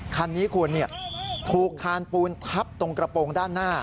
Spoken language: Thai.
คันนี้คุณถูกคานปูนทับตรงกระโปรงด้านหน้า